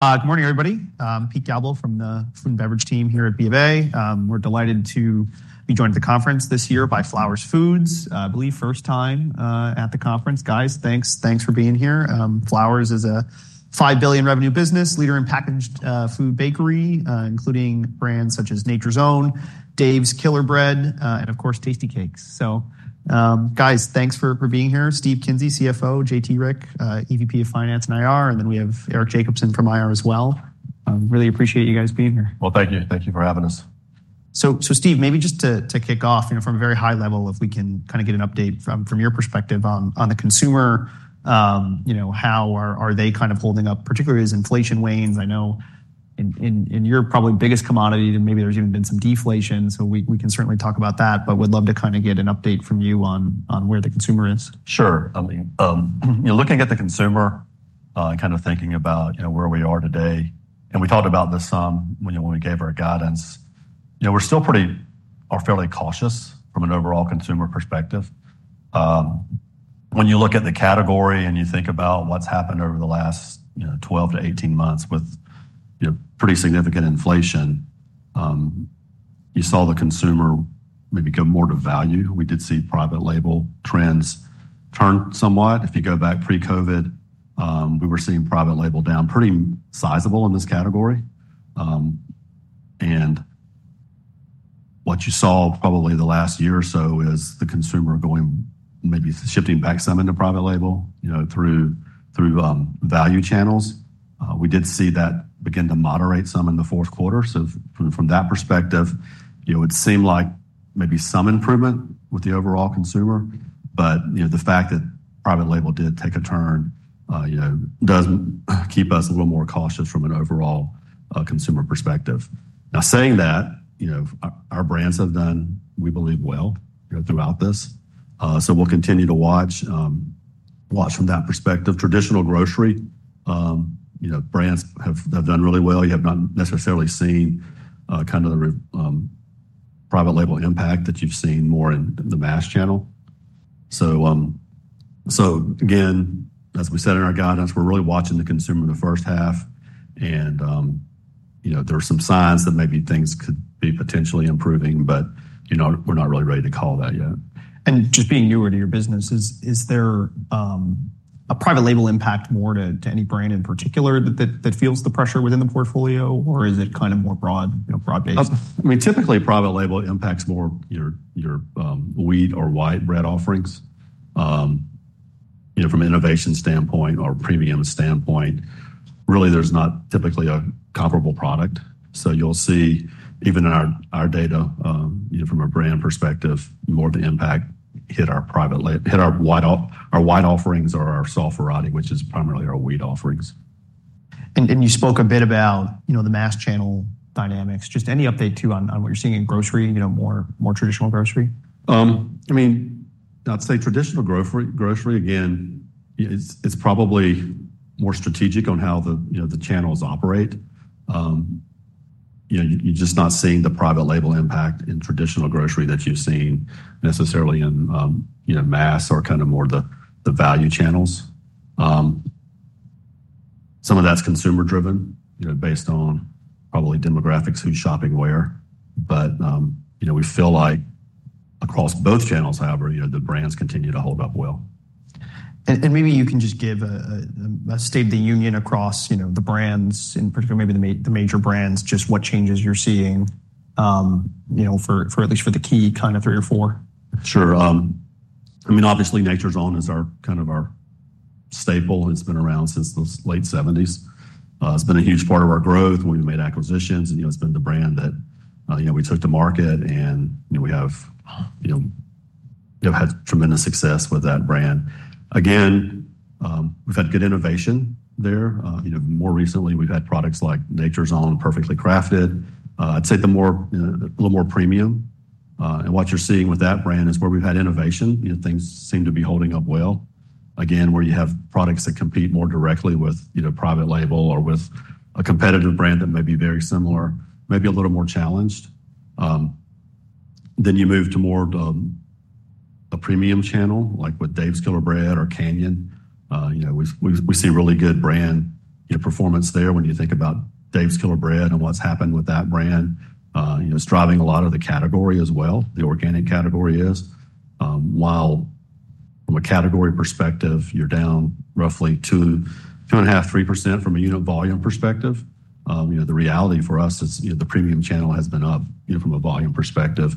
Good morning, everybody. Peter Galbo from the Food and Beverage team here at B of A. We're delighted to be joined at the conference this year by Flowers Foods, I believe first time at the conference. Guys, thanks for being here. Flowers is a $5 billion revenue business, leader in packaged food bakery including brands such as Nature's Own, Dave's Killer Bread, and of course Tastykake. So guys, thanks for being here. Steve Kinsey, CFO, JT Rieck, EVP of Finance and IR, and then we have Eric Jacobson from IR as well. Really appreciate you guys being here. Well thank you, thank you for having us. So Steve, maybe just to kick off from a very high level if we can kind of get an update from your perspective on the consumer. How are they kind of holding up, particularly as inflation wanes? I know in your probably biggest commodity maybe there's even been some deflation so we can certainly talk about that but would love to kind of get an update from you on where the consumer is. Sure. Looking at the consumer and kind of thinking about where we are today, and we talked about this when we gave our guidance, we're still pretty or fairly cautious from an overall consumer perspective. When you look at the category and you think about what's happened over the last 12-18 months with pretty significant inflation, you saw the consumer maybe go more to value. We did see private label trends turn somewhat. If you go back pre-COVID, we were seeing private label down pretty sizable in this category. What you saw probably the last year or so is the consumer going maybe shifting back some into private label through value channels. We did see that begin to moderate some in the fourth quarter. So from that perspective, it would seem like maybe some improvement with the overall consumer but the fact that private label did take a turn does keep us a little more cautious from an overall consumer perspective. Now saying that, our brands have done we believe well throughout this. So we'll continue to watch from that perspective. Traditional grocery brands have done really well. You have not necessarily seen kind of the private label impact that you've seen more in the mass channel. So again, as we said in our guidance, we're really watching the consumer in the first half and there are some signs that maybe things could be potentially improving but we're not really ready to call that yet. Just being newer to your business, is there a private label impact more to any brand in particular that feels the pressure within the portfolio or is it kind of more broad-based? I mean, typically private label impacts more your wheat or white bread offerings. From an innovation standpoint or premium standpoint, really there's not typically a comparable product. So you'll see even in our data from a brand perspective more of the impact hit our white offerings or our soft variety which is primarily our wheat offerings. You spoke a bit about the mass channel dynamics. Just any update too on what you're seeing in grocery, more traditional grocery? I mean, I'd say traditional grocery—again, it's probably more strategic on how the channels operate. You're just not seeing the private label impact in traditional grocery that you've seen necessarily in mass or kind of more the value channels. Some of that's consumer driven based on probably demographics, who's shopping where. But we feel like across both channels however the brands continue to hold up well. Maybe you can just give a state of the union across the brands in particular maybe the major brands just what changes you're seeing for at least for the key kind of three or four. Sure. I mean obviously Nature's Own is kind of our staple. It's been around since the late 1970s. It's been a huge part of our growth. We've made acquisitions and it's been the brand that we took to market and we have had tremendous success with that brand. Again, we've had good innovation there. More recently we've had products like Nature's Own Perfectly Crafted. I'd say the more a little more premium. And what you're seeing with that brand is where we've had innovation, things seem to be holding up well. Again where you have products that compete more directly with private label or with a competitive brand that may be very similar, maybe a little more challenged. Then you move to more a premium channel like with Dave's Killer Bread or Canyon. We see really good brand performance there when you think about Dave's Killer Bread and what's happened with that brand. It's driving a lot of the category as well, the organic category is. While from a category perspective you're down roughly 2.5%-3% from a unit volume perspective. The reality for us is the premium channel has been up from a volume perspective.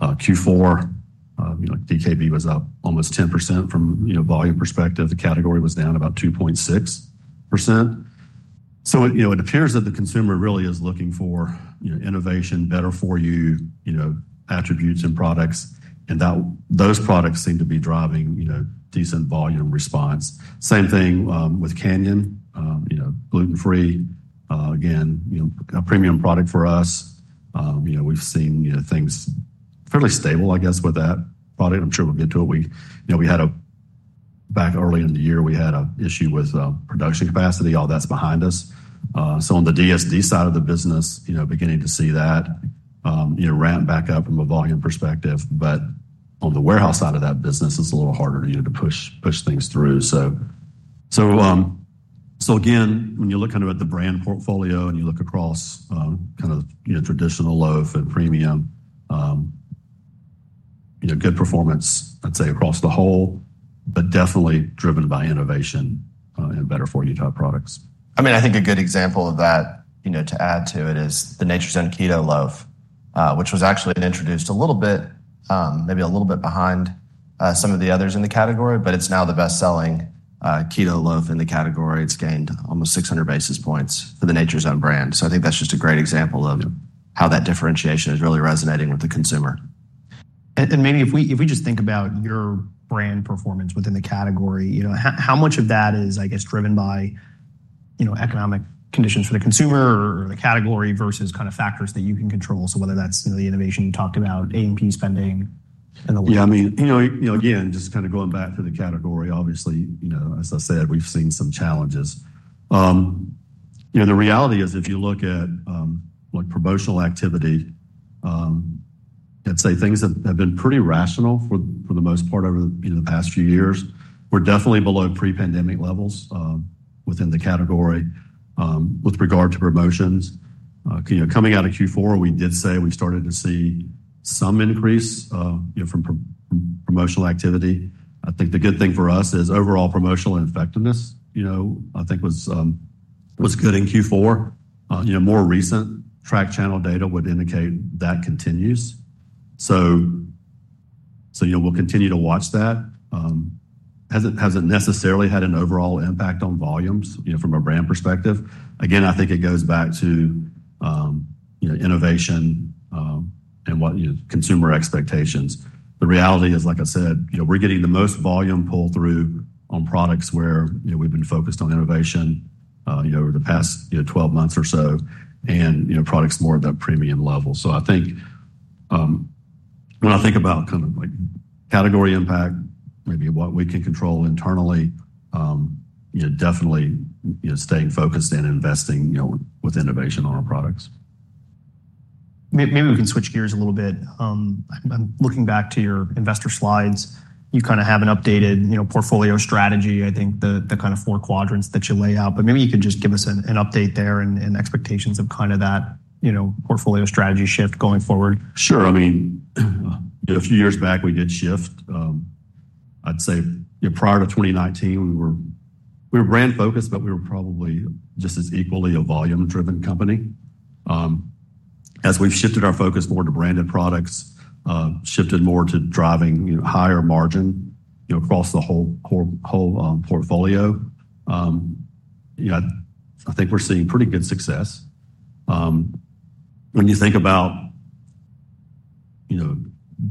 Q4 DKB was up almost 10% from volume perspective. The category was down about 2.6%. So it appears that the consumer really is looking for innovation, better for you attributes and products and those products seem to be driving decent volume response. Same thing with Canyon, gluten-free. Again, a premium product for us. We've seen things fairly stable I guess with that product. I'm sure we'll get to it. We had a backup early in the year. We had an issue with production capacity. All that's behind us. So on the DSD side of the business, beginning to see that ramp back up from a volume perspective. But on the warehouse side of that business, it's a little harder to push things through. So again, when you look kind of at the brand portfolio and you look across kind of traditional loaf and premium, good performance I'd say across the whole, but definitely driven by innovation and better for you type products. I mean I think a good example of that to add to it is the Nature's Own Keto Loaf which was actually introduced a little bit, maybe a little bit behind some of the others in the category but it's now the best-selling Keto Loaf in the category. It's gained almost 600 basis points for the Nature's Own brand. So I think that's just a great example of how that differentiation is really resonating with the consumer. Maybe if we just think about your brand performance within the category, how much of that is I guess driven by economic conditions for the consumer or the category versus kind of factors that you can control? So whether that's the innovation you talked about, A&P spending, and the like. Yeah, I mean, again, just kind of going back to the category, obviously, as I said, we've seen some challenges. The reality is if you look at promotional activity, I'd say things have been pretty rational for the most part over the past few years. We're definitely below pre-pandemic levels within the category with regard to promotions. Coming out of Q4, we did say we started to see some increase from promotional activity. I think the good thing for us is overall promotional and effectiveness I think was good in Q4. More recent track channel data would indicate that continues. So we'll continue to watch that. Hasn't necessarily had an overall impact on volumes from a brand perspective. Again, I think it goes back to innovation and consumer expectations. The reality is, like I said, we're getting the most volume pull through on products where we've been focused on innovation over the past 12 months or so and products more at that premium level. So I think when I think about kind of category impact, maybe what we can control internally, definitely staying focused and investing with innovation on our products. Maybe we can switch gears a little bit. I'm looking back to your investor slides. You kind of have an updated portfolio strategy, I think, the kind of four quadrants that you lay out. But maybe you could just give us an update there and expectations of kind of that portfolio strategy shift going forward. Sure. I mean a few years back we did shift. I'd say prior to 2019 we were brand focused but we were probably just as equally a volume-driven company. As we've shifted our focus more to branded products, shifted more to driving higher margin across the whole portfolio, I think we're seeing pretty good success. When you think about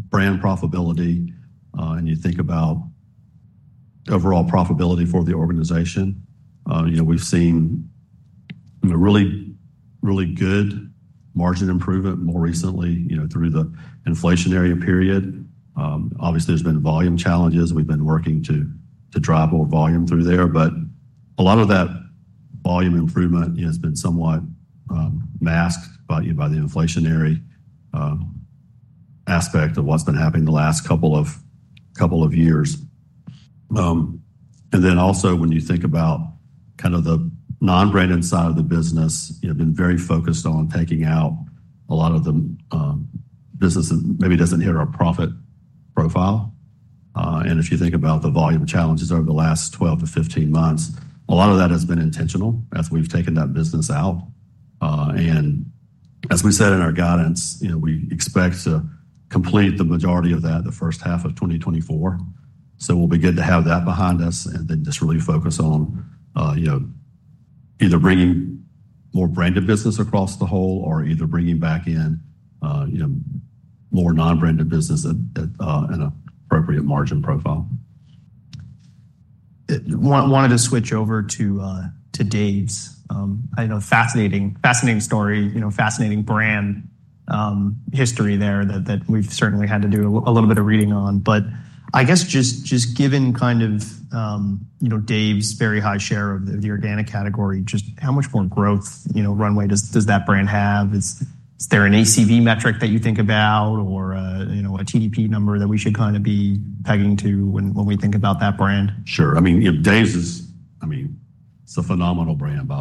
brand profitability and you think about overall profitability for the organization, we've seen really, really good margin improvement more recently through the inflationary period. Obviously there's been volume challenges. We've been working to drive more volume through there but a lot of that volume improvement has been somewhat masked by the inflationary aspect of what's been happening the last couple of years. Then also, when you think about kind of the non-branded side of the business, been very focused on taking out a lot of the business that maybe doesn't hit our profit profile. If you think about the volume challenges over the last 12-15 months, a lot of that has been intentional as we've taken that business out. As we said in our guidance, we expect to complete the majority of that the first half of 2024. We'll be good to have that behind us and then just really focus on either bringing more branded business across the whole or either bringing back in more non-branded business at an appropriate margin profile. Wanted to switch over to Dave's. I know, fascinating, fascinating story, fascinating brand history there that we've certainly had to do a little bit of reading on. But I guess just given kind of Dave's very high share of the organic category, just how much more growth runway does that brand have? Is there an ACV metric that you think about or a TDP number that we should kind of be pegging to when we think about that brand? Sure. I mean Dave's is, I mean it's a phenomenal brand. By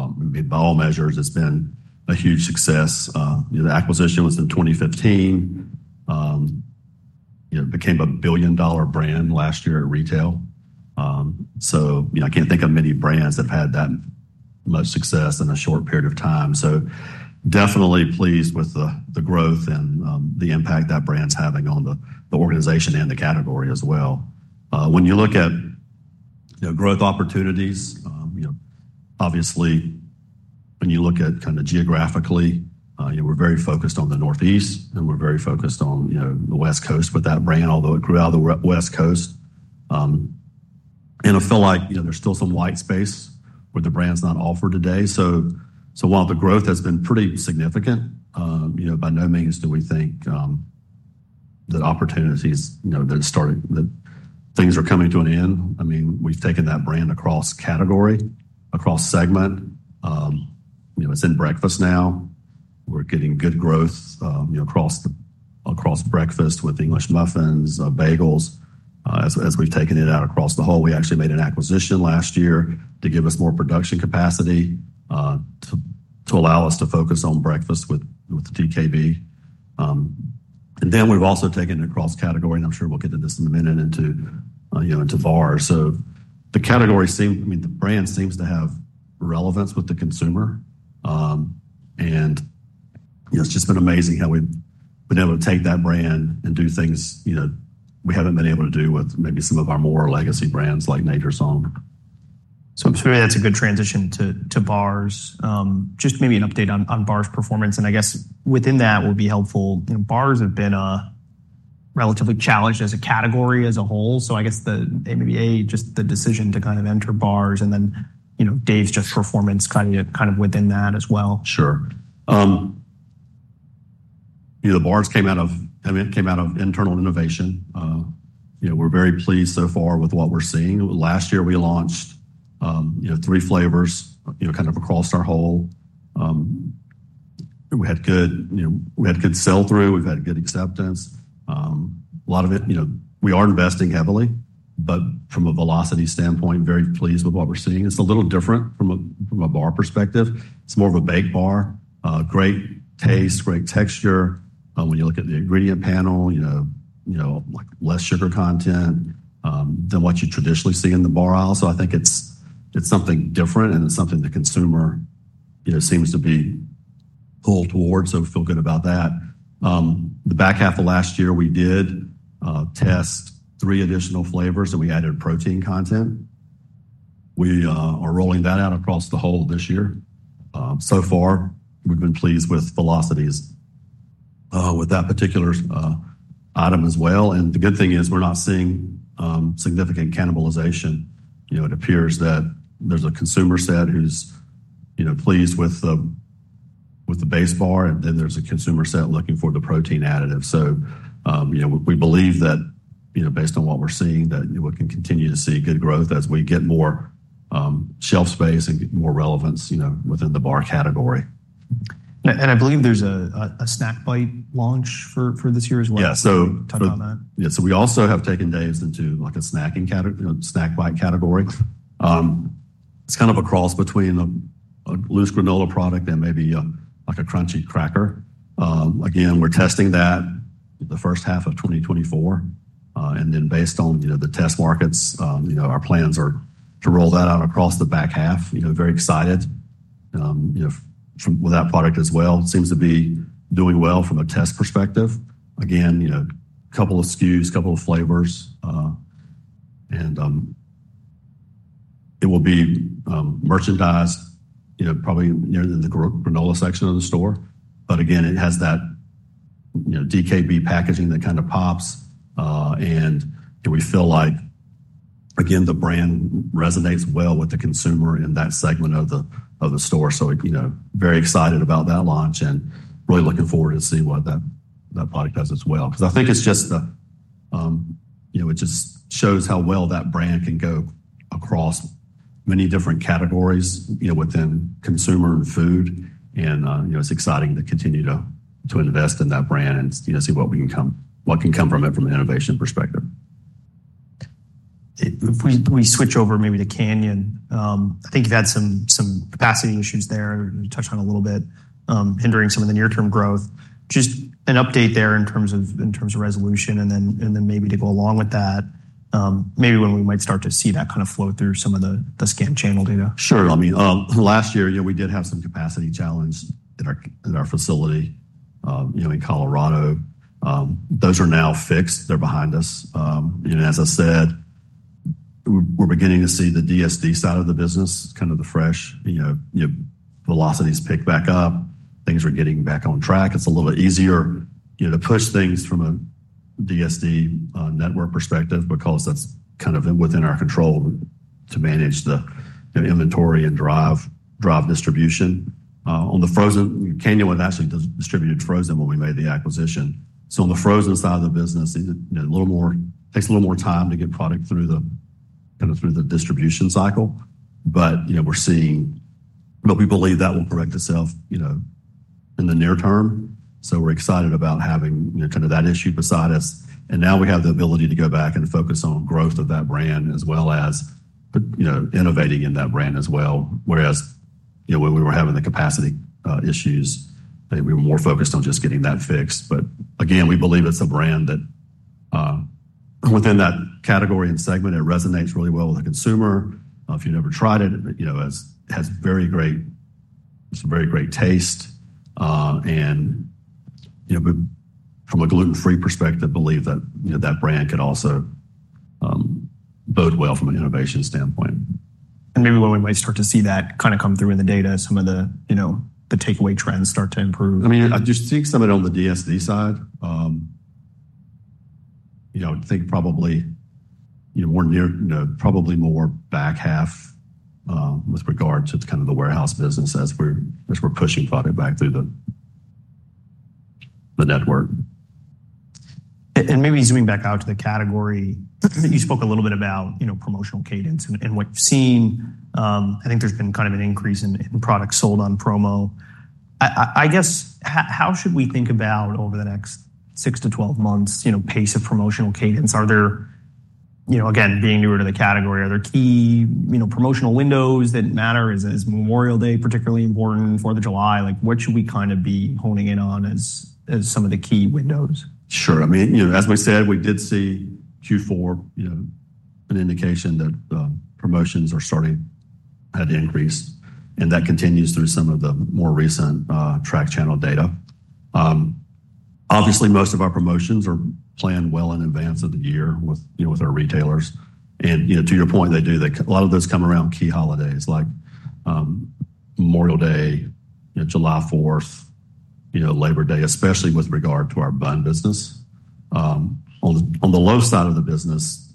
all measures it's been a huge success. The acquisition was in 2015. It became a billion-dollar brand last year at retail. So I can't think of many brands that have had that much success in a short period of time. So definitely pleased with the growth and the impact that brand's having on the organization and the category as well. When you look at growth opportunities, obviously when you look at kind of geographically we're very focused on the Northeast and we're very focused on the West Coast with that brand although it grew out of the West Coast. I feel like there's still some white space where the brand's not offered today. So while the growth has been pretty significant, by no means do we think that opportunities that started, that things are coming to an end. I mean we've taken that brand across category, across segment. It's in breakfast now. We're getting good growth across breakfast with English muffins, bagels. As we've taken it out across the whole, we actually made an acquisition last year to give us more production capacity to allow us to focus on breakfast with the DKB. And then we've also taken it across category and I'm sure we'll get to this in a minute into bars. So the category seems, I mean the brand seems to have relevance with the consumer. And it's just been amazing how we've been able to take that brand and do things we haven't been able to do with maybe some of our more legacy brands like Nature's Own. I'm sure that's a good transition to bars. Just maybe an update on bars performance and I guess within that will be helpful. Bars have been relatively challenged as a category as a whole. I guess maybe just the decision to kind of enter bars and then Dave's just performance kind of within that as well. Sure. The bars came out of, I mean came out of internal innovation. We're very pleased so far with what we're seeing. Last year we launched three flavors kind of across our whole. We had good, we had good sell-through. We've had good acceptance. A lot of it, we are investing heavily but from a velocity standpoint very pleased with what we're seeing. It's a little different from a bar perspective. It's more of a baked bar. Great taste, great texture. When you look at the ingredient panel, less sugar content than what you traditionally see in the bar aisle. So I think it's something different and it's something the consumer seems to be pulled towards. So we feel good about that. The back half of last year we did test three additional flavors and we added protein content. We are rolling that out across the whole this year. So far we've been pleased with velocities with that particular item as well. The good thing is we're not seeing significant cannibalization. It appears that there's a consumer set who's pleased with the base bar and then there's a consumer set looking for the protein additive. So we believe that based on what we're seeing that we can continue to see good growth as we get more shelf space and more relevance within the bar category. I believe there's a Snack Bite launch for this year as well. Yeah so. Talk about that. Yeah, so we also have taken Dave's into a snacking category, snack bite category. It's kind of a cross between a loose granola product and maybe a crunchy cracker. Again, we're testing that the first half of 2024. And then based on the test markets, our plans are to roll that out across the back half. Very excited with that product as well. Seems to be doing well from a test perspective. Again, a couple of SKUs, a couple of flavors. And it will be merchandised probably nearer to the granola section of the store. But again, it has that DKB packaging that kind of pops, and we feel like again the brand resonates well with the consumer in that segment of the store. So very excited about that launch and really looking forward to see what that product does as well. Because I think it's just, it just shows how well that brand can go across many different categories within consumer and food. It's exciting to continue to invest in that brand and see what we can come, what can come from it from an innovation perspective. If we switch over maybe to Canyon, I think you've had some capacity issues there you touched on a little bit, hindering some of the near-term growth. Just an update there in terms of resolution and then maybe to go along with that, maybe when we might start to see that kind of flow through some of the scan channel data. Sure. I mean, last year we did have some capacity challenge at our facility in Colorado. Those are now fixed. They're behind us. As I said, we're beginning to see the DSD side of the business kind of the fresh velocities pick back up. Things are getting back on track. It's a little easier to push things from a DSD network perspective because that's kind of within our control to manage the inventory and drive distribution. On the frozen, Canyon actually distributed frozen when we made the acquisition. So on the frozen side of the business, a little more, takes a little more time to get product through the kind of through the distribution cycle. But we're seeing, but we believe that will correct itself in the near term. So we're excited about having kind of that issue beside us. Now we have the ability to go back and focus on growth of that brand as well as innovating in that brand as well. Whereas when we were having the capacity issues, we were more focused on just getting that fixed. But again we believe it's a brand that within that category and segment it resonates really well with the consumer. If you've never tried it, it has very great, it's a very great taste. From a gluten-free perspective believe that that brand could also bode well from an innovation standpoint. Maybe when we might start to see that kind of come through in the data, some of the takeaway trends start to improve. I mean, I just think some of it on the DSD side, I think probably more near, probably more back half with regard to kind of the warehouse business as we're pushing product back through the network. Maybe zooming back out to the category, you spoke a little bit about promotional cadence and what you've seen. I think there's been kind of an increase in products sold on promo. I guess how should we think about over the next six-12 months pace of promotional cadence? Are there, again being newer to the category, are there key promotional windows that matter? Is Memorial Day particularly important for the July? What should we kind of be honing in on as some of the key windows? Sure. I mean, as we said, we did see Q4 an indication that promotions are starting to increase. And that continues through some of the more recent track channel data. Obviously most of our promotions are planned well in advance of the year with our retailers. And to your point they do, a lot of those come around key holidays like Memorial Day, July 4th, Labor Day especially with regard to our bun business. On the low side of the business,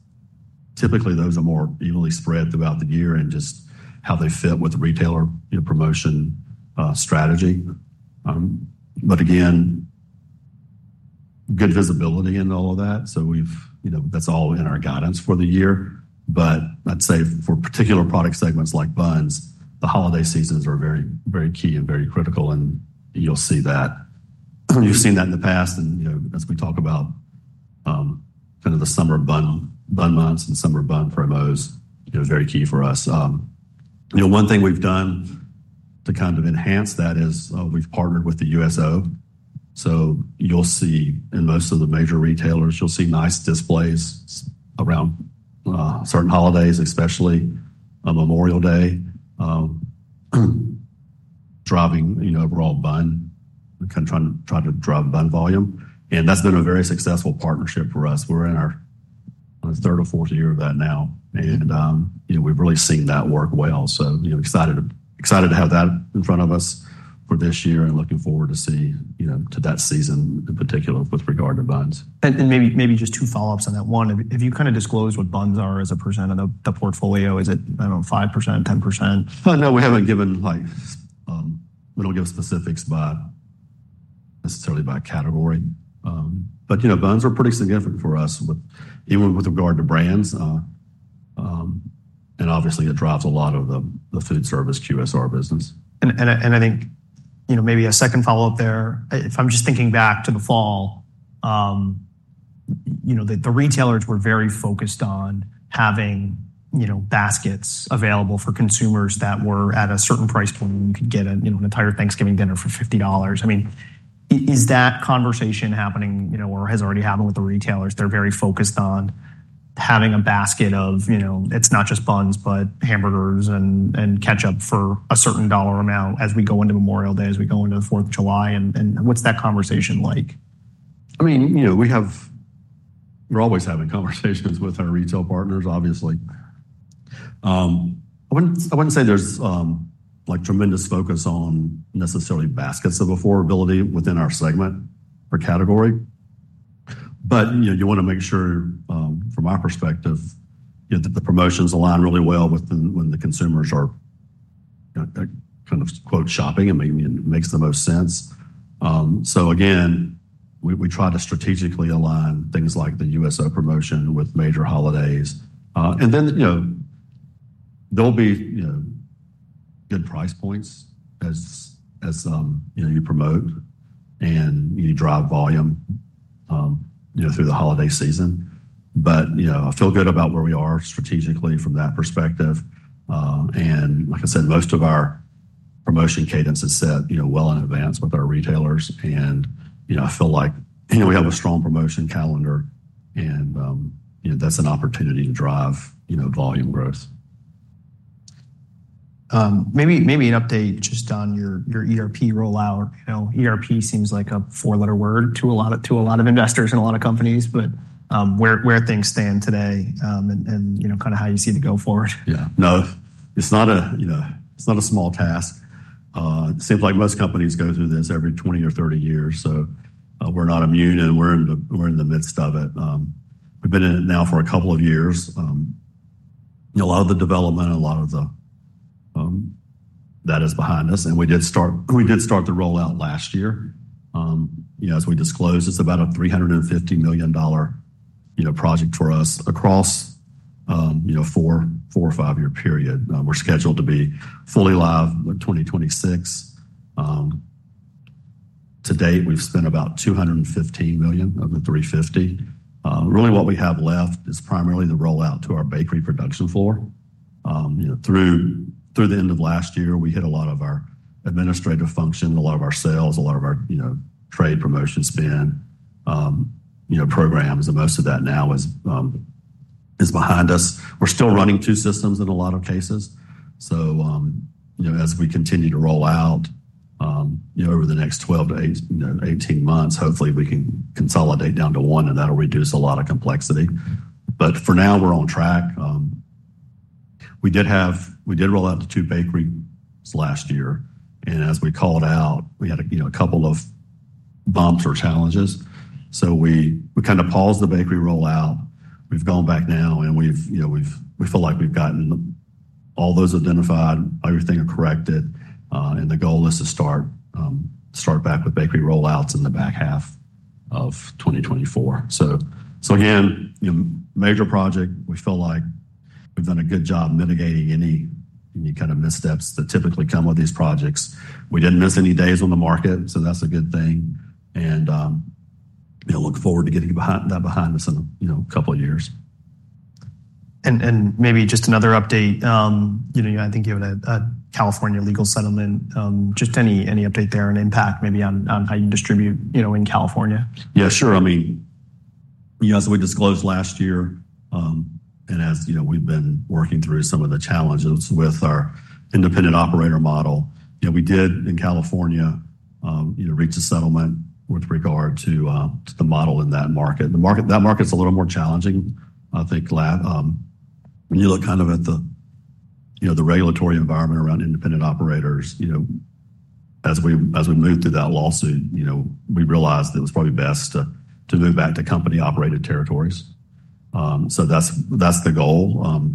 typically those are more evenly spread throughout the year and just how they fit with retailer promotion strategy. But again good visibility in all of that. So we've, that's all in our guidance for the year. But I'd say for particular product segments like buns, the holiday seasons are very, very key and very critical and you'll see that. You've seen that in the past and as we talk about kind of the summer bun months and summer bun promos, very key for us. One thing we've done to kind of enhance that is we've partnered with the USO. So you'll see in most of the major retailers, you'll see nice displays around certain holidays especially Memorial Day driving overall bun, kind of trying to drive bun volume. And that's been a very successful partnership for us. We're in our third or fourth year of that now and we've really seen that work well. So excited to have that in front of us for this year and looking forward to see that season in particular with regard to buns. Maybe just two follow-ups on that. One, have you kind of disclosed what buns are as a percent of the portfolio? Is it, I don't know, 5%, 10%? Oh no, we haven't given. We don't give specifics by, necessarily by category. But buns are pretty significant for us even with regard to brands. And obviously it drives a lot of the food service QSR business. I think maybe a second follow-up there. If I'm just thinking back to the fall, the retailers were very focused on having baskets available for consumers that were at a certain price point where you could get an entire Thanksgiving dinner for $50. I mean, is that conversation happening or has already happened with the retailers? They're very focused on having a basket of; it's not just buns but hamburgers and ketchup for a certain dollar amount as we go into Memorial Day, as we go into the 4th of July. What's that conversation like? I mean we have, we're always having conversations with our retail partners obviously. I wouldn't say there's tremendous focus on necessarily baskets of affordability within our segment or category. But you want to make sure from our perspective that the promotions align really well with when the consumers are kind of "shopping" and maybe it makes the most sense. So again we try to strategically align things like the USO promotion with major holidays. And then there'll be good price points as you promote and you drive volume through the holiday season. But I feel good about where we are strategically from that perspective. And like I said most of our promotion cadence is set well in advance with our retailers and I feel like we have a strong promotion calendar and that's an opportunity to drive volume growth. Maybe an update just on your ERP rollout. ERP seems like a four-letter word to a lot of investors and a lot of companies. But where things stand today and kind of how you see it go forward? Yeah no, it's not a small task. It seems like most companies go through this every 20 or 30 years. So we're not immune and we're in the midst of it. We've been in it now for a couple of years. A lot of the development that is behind us. And we did start the rollout last year. As we disclosed it's about a $350 million project for us across a four or five year period. We're scheduled to be fully live in 2026. To date we've spent about $215 million of the $350. Really what we have left is primarily the rollout to our bakery production floor. Through the end of last year we hit a lot of our administrative function, a lot of our sales, a lot of our trade promotion spend programs. And most of that now is behind us. We're still running two systems in a lot of cases. So as we continue to roll out over the next 12-18 months, hopefully we can consolidate down to one and that'll reduce a lot of complexity. But for now we're on track. We did have, we did roll out to two bakeries last year. And as we called out we had a couple of bumps or challenges. So we kind of paused the bakery rollout. We've gone back now and we've, we feel like we've gotten all those identified, everything corrected. And the goal is to start back with bakery rollouts in the back half of 2024. So again major project, we feel like we've done a good job mitigating any kind of missteps that typically come with these projects. We didn't miss any days on the market so that's a good thing. Look forward to getting that behind us in a couple of years. Maybe just another update, I think you have a California legal settlement. Just any update there, and impact maybe on how you distribute in California? Yeah, sure. I mean, as we disclosed last year and as we've been working through some of the challenges with our independent operator model, we did in California reach a settlement with regard to the model in that market. The market, that market's a little more challenging I think. When you look kind of at the regulatory environment around independent operators, as we moved through that lawsuit we realized it was probably best to move back to company-operated territories. So that's the goal.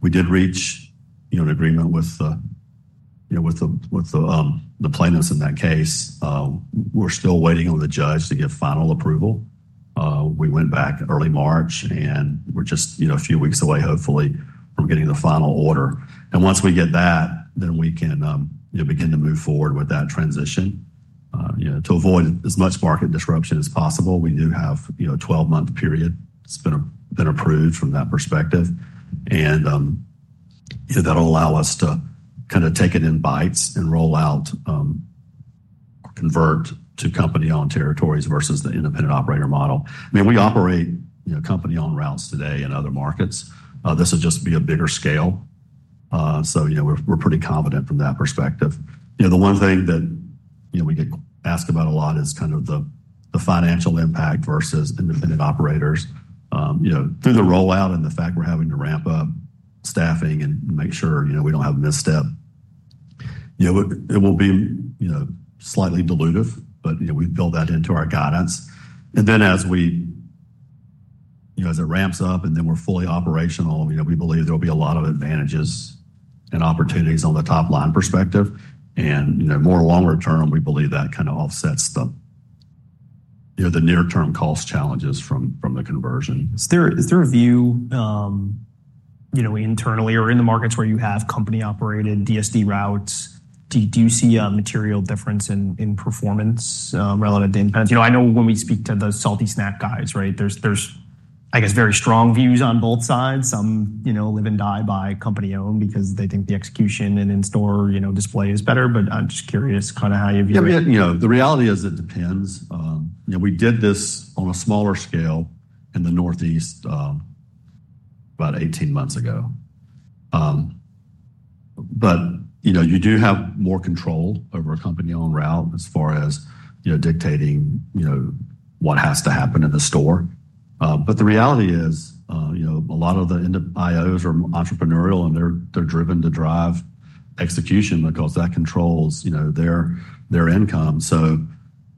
We did reach an agreement with the plaintiffs in that case. We're still waiting on the judge to give final approval. We went back early March and we're just a few weeks away hopefully from getting the final order. And once we get that then we can begin to move forward with that transition. To avoid as much market disruption as possible, we do have a 12-month period that's been approved from that perspective. And that'll allow us to kind of take it in bites and roll out, convert to company-owned territories versus the independent operator model. I mean we operate company-owned routes today in other markets. This would just be a bigger scale. So we're pretty confident from that perspective. The one thing that we get asked about a lot is kind of the financial impact versus independent operators. Through the rollout and the fact we're having to ramp up staffing and make sure we don't have a misstep, it will be slightly dilutive but we've built that into our guidance. And then as we, as it ramps up and then we're fully operational we believe there'll be a lot of advantages and opportunities on the top line perspective. More longer term we believe that kind of offsets the near-term cost challenges from the conversion. Is there a view internally or in the markets where you have company-operated DSD routes, do you see a material difference in performance relative to independence? I know when we speak to the Salty Snack guys, right, there's I guess very strong views on both sides. Some live and die by company-owned because they think the execution and in-store display is better. But I'm just curious kind of how you view it. Yeah, the reality is it depends. We did this on a smaller scale in the Northeast about 18 months ago. But you do have more control over a company-owned route as far as dictating what has to happen in the store. But the reality is a lot of the IOs are entrepreneurial and they're driven to drive execution because that controls their income. So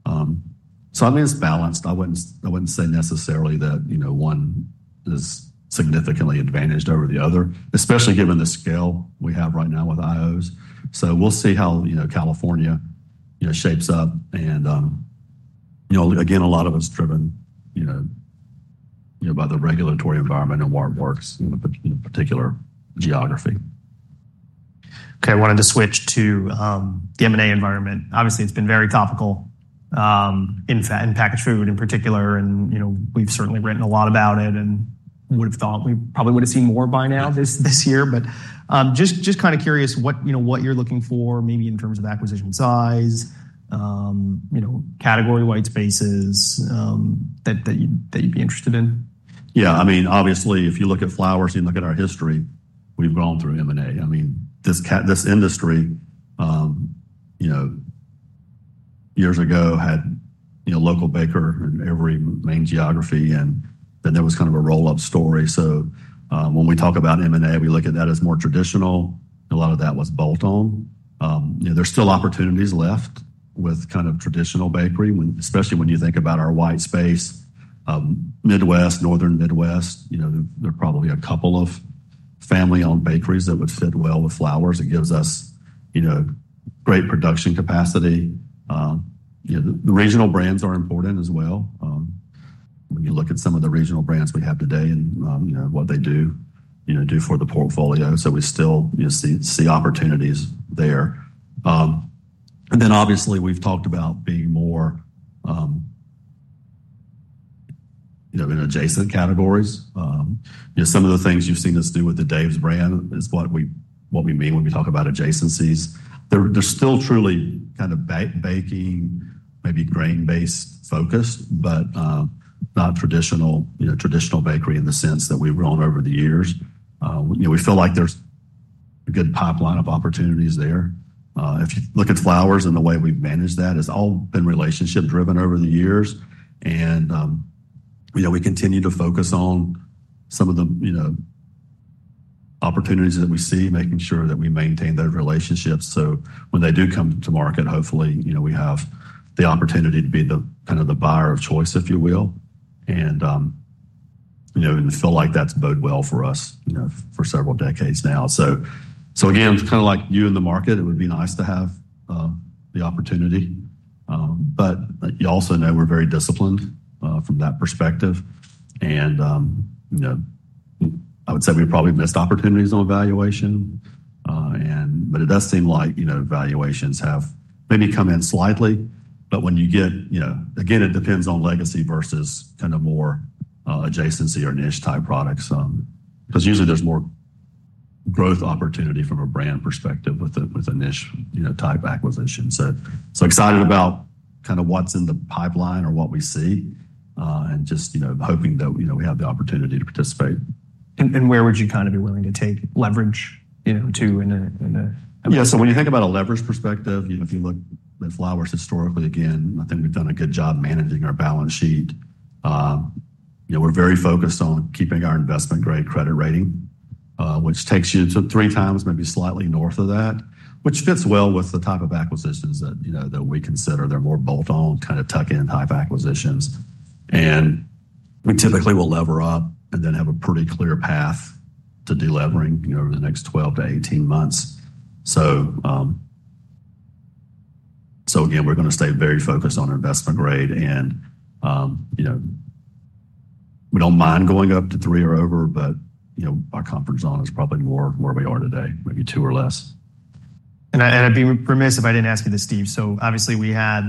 I mean it's balanced. I wouldn't say necessarily that one is significantly advantaged over the other. Especially given the scale we have right now with IOs. So we'll see how California shapes up. And again a lot of it's driven by the regulatory environment and where it works in a particular geography. Okay, I wanted to switch to the M&A environment. Obviously, it's been very topical in packaged food in particular, and we've certainly written a lot about it and would have thought we probably would have seen more by now this year. Just kind of curious what you're looking for maybe in terms of acquisition size, category white spaces that you'd be interested in? Yeah, I mean, obviously if you look at Flowers and you look at our history, we've gone through M&A. I mean, this industry years ago had local baker in every main geography and then there was kind of a roll-up story. So when we talk about M&A we look at that as more traditional. A lot of that was bolt-on. There's still opportunities left with kind of traditional bakery. Especially when you think about our White Space, Midwest, Northern Midwest, there probably a couple of family-owned bakeries that would fit well with Flowers. It gives us great production capacity. The regional brands are important as well. When you look at some of the regional brands we have today and what they do for the portfolio. So we still see opportunities there. And then obviously we've talked about being more in adjacent categories. Some of the things you've seen us do with the Dave's brand is what we mean when we talk about adjacencies. They're still truly kind of baking, maybe grain-based focused but not traditional bakery in the sense that we've grown over the years. We feel like there's a good pipeline of opportunities there. If you look at Flowers and the way we've managed that, it's all been relationship-driven over the years. And we continue to focus on some of the opportunities that we see, making sure that we maintain those relationships. So when they do come to market hopefully we have the opportunity to be the kind of the buyer of choice if you will. And we feel like that's bode well for us for several decades now. So again it's kind of like you in the market, it would be nice to have the opportunity. But you also know we're very disciplined from that perspective. And I would say we've probably missed opportunities on valuation. But it does seem like valuations have maybe come in slightly. But when you get, again it depends on legacy versus kind of more adjacency or niche-type products. Because usually there's more growth opportunity from a brand perspective with a niche-type acquisition. So excited about kind of what's in the pipeline or what we see. And just hoping that we have the opportunity to participate. Where would you kind of be willing to take leverage to in a? Yeah, so when you think about a leverage perspective, if you look at Flowers historically, again I think we've done a good job managing our balance sheet. We're very focused on keeping our investment-grade credit rating. Which takes you to 3x maybe slightly north of that. Which fits well with the type of acquisitions that we consider. They're more bolt-on, kind of tuck-in type acquisitions. And we typically will lever up and then have a pretty clear path to delevering over the next 12-18 months. So again we're going to stay very focused on investment-grade. And we don't mind going up to three or over but our confidence on it is probably more where we are today. Maybe two or less. I'd be remiss if I didn't ask you this Steve. Obviously we had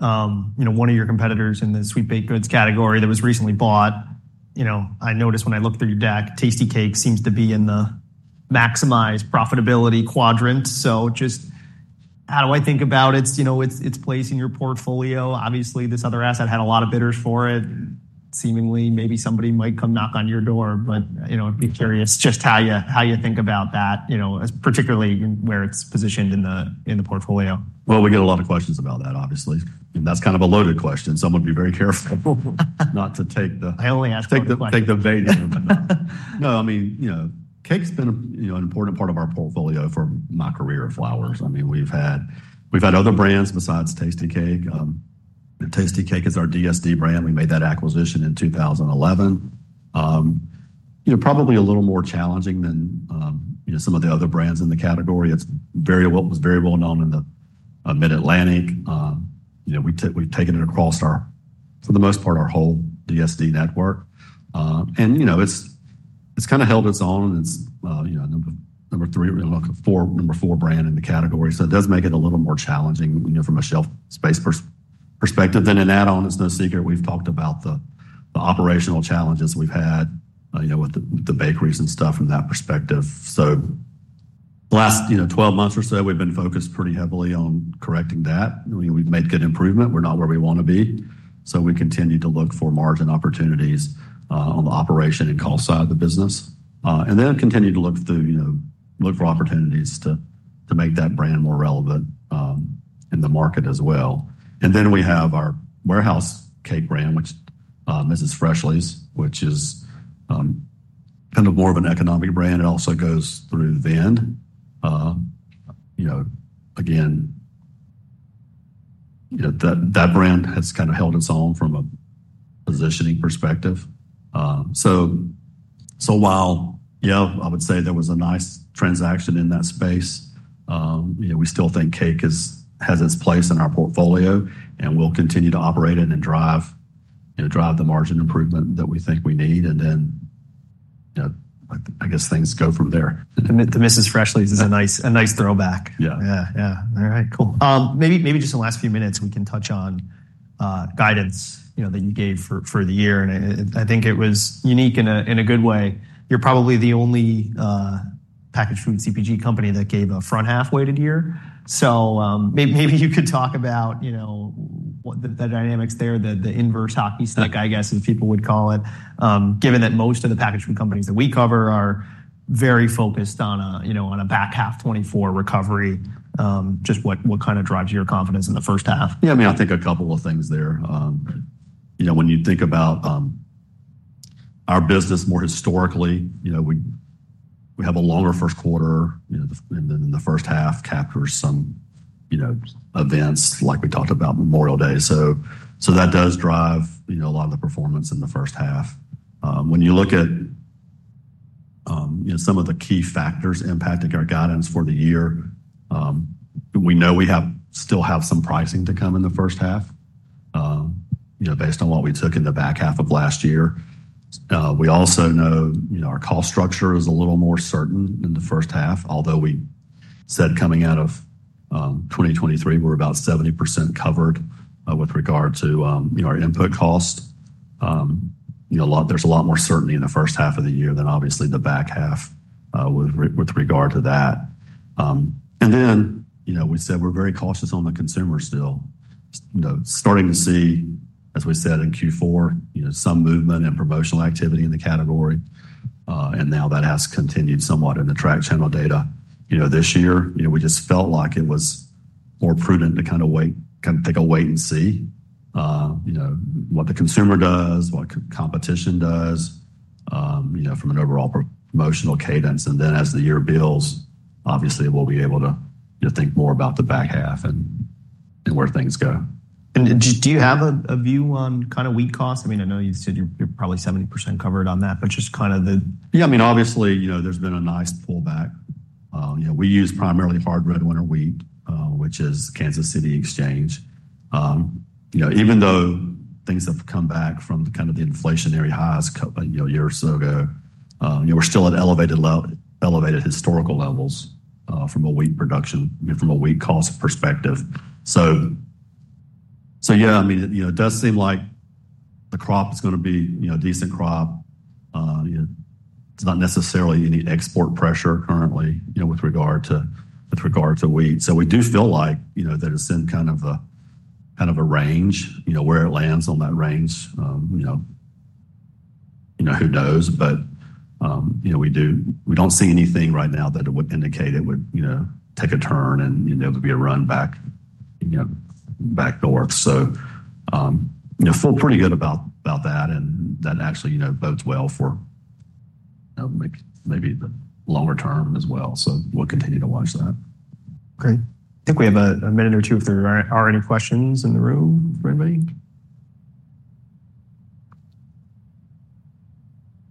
one of your competitors in the sweet baked goods category that was recently bought. I noticed when I looked through your deck, Tastykake seems to be in the maximized profitability quadrant. Just how do I think about its place in your portfolio? Obviously this other asset had a lot of bidders for it. Seemingly maybe somebody might come knock on your door. I'd be curious just how you think about that. Particularly where it's positioned in the portfolio. Well, we get a lot of questions about that obviously. That's kind of a loaded question. Someone be very careful not to take the. I only ask one question. Take the vague one. No, I mean, Tastykake's been an important part of our portfolio for my career at Flowers. I mean, we've had other brands besides Tastykake. Tastykake is our DSD brand. We made that acquisition in 2011. Probably a little more challenging than some of the other brands in the category. It's very well known in the Mid-Atlantic. We've taken it across our, for the most part, our whole DSD network. And it's kind of held its own, and it's number three, number four brand in the category. So it does make it a little more challenging from a shelf space perspective. Then an add-on, it's no secret we've talked about the operational challenges we've had with the bakeries and stuff from that perspective. So the last 12 months or so we've been focused pretty heavily on correcting that. We've made good improvement. We're not where we want to be. So we continue to look for margin opportunities on the operation and call side of the business. And then continue to look for opportunities to make that brand more relevant in the market as well. And then we have our warehouse cake brand, which is Mrs. Freshley's, which is kind of more of an economic brand. It also goes through vend. Again that brand has kind of held its own from a positioning perspective. So while yeah I would say there was a nice transaction in that space, we still think Cake has its place in our portfolio. And we'll continue to operate it and drive the margin improvement that we think we need. And then I guess things go from there. To Mrs. Freshley's is a nice throwback. Yeah. Yeah yeah. All right cool. Maybe just in the last few minutes we can touch on guidance that you gave for the year. And I think it was unique in a good way. You're probably the only packaged food CPG company that gave a front half weighted year. So maybe you could talk about the dynamics there, the inverse hockey stick I guess as people would call it. Given that most of the packaged food companies that we cover are very focused on a back half 2024 recovery. Just what kind of drives your confidence in the first half? Yeah, I mean, I think a couple of things there. When you think about our business more historically, we have a longer first quarter. And then the first half captures some events like we talked about Memorial Day. So that does drive a lot of the performance in the first half. When you look at some of the key factors impacting our guidance for the year, we know we still have some pricing to come in the first half. Based on what we took in the back half of last year. We also know our cost structure is a little more certain in the first half. Although we said coming out of 2023 we're about 70% covered with regard to our input cost. There's a lot more certainty in the first half of the year than obviously the back half with regard to that. Then we said we're very cautious on the consumer still. Starting to see, as we said in Q4, some movement and promotional activity in the category. Now that has continued somewhat in the track channel data. This year we just felt like it was more prudent to kind of take a wait and see. What the consumer does, what competition does from an overall promotional cadence. Then as the year builds obviously we'll be able to think more about the back half and where things go. Do you have a view on kind of wheat cost? I mean I know you said you're probably 70% covered on that. But just kind of the. Yeah, I mean, obviously there's been a nice pullback. We use primarily hard red winter wheat, which is Kansas City Exchange. Even though things have come back from kind of the inflationary highs a year or so ago, we're still at elevated historical levels from a wheat production, from a wheat cost perspective. So yeah, I mean, it does seem like the crop is going to be a decent crop. There's not necessarily any export pressure currently with regard to wheat. So we do feel like that it's in kind of a range. Where it lands on that range, who knows. But we don't see anything right now that would indicate it would take a turn and there would be a run back north. So feel pretty good about that. And that actually bodes well for maybe the longer term as well. So we'll continue to watch that. Great. I think we have a minute or two if there are any questions in the room for anybody?